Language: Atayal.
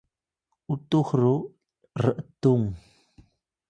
utux ga r’tung